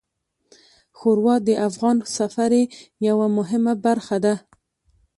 ښوروا د افغان سفرې یوه مهمه برخه ده.